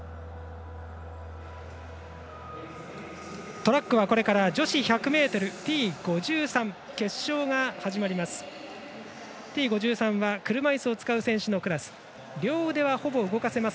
トラックはこれから女子１００ｍＴ５３の決勝が始まります。